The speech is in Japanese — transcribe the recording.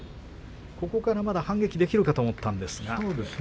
ここから、まだ反撃できるかと思ったんですが。